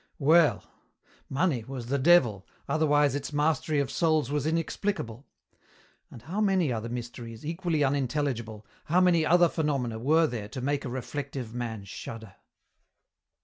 Well! money was the devil, otherwise its mastery of souls was inexplicable. And how many other mysteries, equally unintelligible, how many other phenomena were there to make a reflective man shudder!